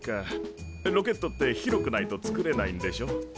ロケットって広くないと作れないんでしょ？